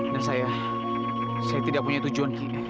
dan saya saya tidak punya tujuan ki